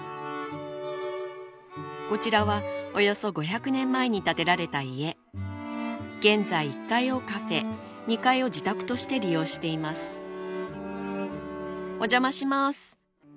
こちらはおよそ５００年前に建てられた家現在１階をカフェ２階を自宅として利用していますお邪魔します